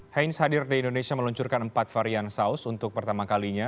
heinz hadir di indonesia meluncurkan empat varian saus untuk pertama kalinya